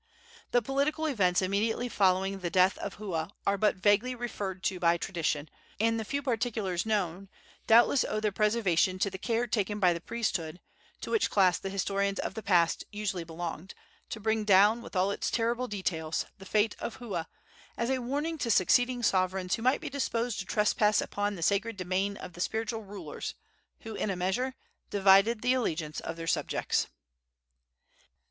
The political events immediately following the death of Hua are but vaguely referred to by tradition, and the few particulars known doubtless owe their preservation to the care taken by the priesthood to which class the historians of the past usually belonged to bring down, with all its terrible details, the fate of Hua, as a warning to succeeding sovereigns who might be disposed to trespass upon the sacred domain of the spiritual rulers who, in a measure, divided the allegiance of their subjects.